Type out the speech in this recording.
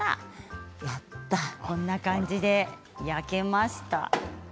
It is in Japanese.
こんな感じで焼けました。